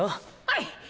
はい！！